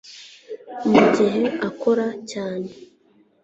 mugihe akora cyane